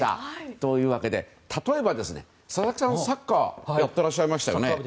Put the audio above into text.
というわけで例えば、佐々木さんサッカーやってらっしゃいましたよね。